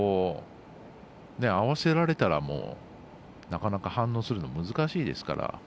合わせられたらなかなか反応するの難しいですから。